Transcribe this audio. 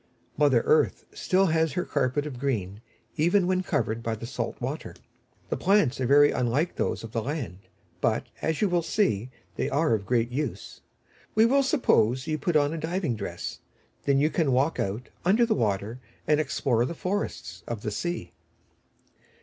Mother Earth still has her carpet of green, even when covered by the salt water. The plants are very unlike those of the land, but, as you will see, they are of great use. We will suppose you put on a diving dress. Then you can walk out, under the water, and explore the forests of the sea.